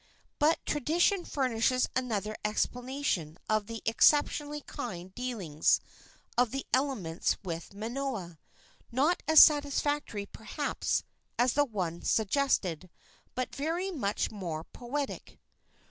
But tradition furnishes another explanation of the exceptionally kind dealings of the elements with Manoa not as satisfactory, perhaps, as the one suggested, but very much more poetic.